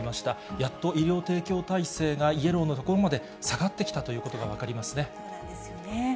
やっと医療提供体制がイエローのところまで下がってきたというこそうなんですよね。